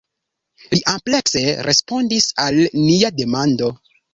Li amplekse respondis al nia demando.